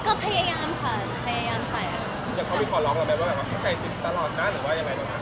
ก็พยายามค่ะพยายามใส่แต่เขามีขอร้องหรือเปล่าแบบว่าใส่ติ๊กตลอดน่ะหรือว่าอย่างไรหรือเปล่า